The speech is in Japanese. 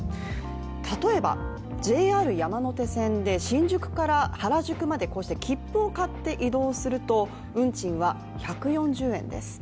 例えば、ＪＲ山手線で新宿から原宿までこうして切符を買って移動すると運賃は１４０円です。